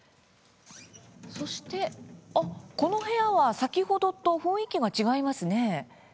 そしてあ、この部屋は先ほどと雰囲気が違いますね。